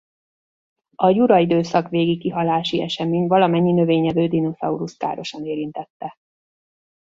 A jura időszak végi kihalási esemény valamennyi növényevő dinoszauruszt károsan érintette.